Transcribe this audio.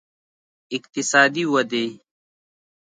اقتصادي ودې